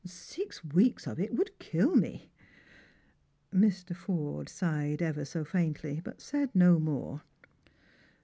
Six weeks of it would kill me." Mr. Forde sighed ever so faintly, but said no more.